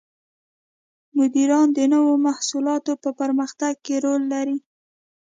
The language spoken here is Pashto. مدیران د نوو محصولاتو په پرمختګ کې رول لري.